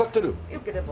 よければ。